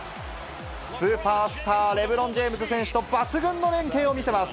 スーパースター、レブロン・ジェームズ選手と抜群の連係を見せます。